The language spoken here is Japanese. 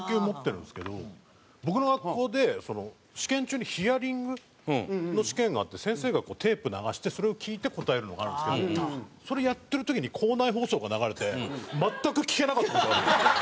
僕の学校で試験中にヒアリングの試験があって先生がテープ流してそれを聴いて答えるのがあるんですけどそれやってる時に校内放送が流れて全く聴けなかった事ある。